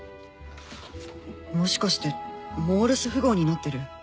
もしかしてモールス符号になってる？